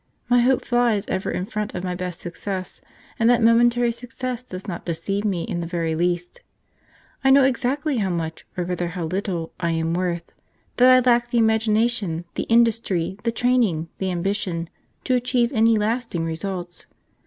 My hope flies ever in front of my best success, and that momentary success does not deceive me in the very least. I know exactly how much, or rather how little, I am worth; that I lack the imagination, the industry, the training, the ambition, to achieve any lasting results.